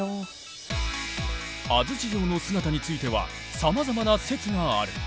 安土城の姿についてはさまざまな説がある。